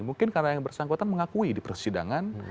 mungkin karena yang bersangkutan mengakui di persidangan